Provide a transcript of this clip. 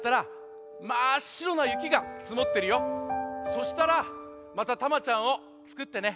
そしたらまたタマちゃんをつくってね。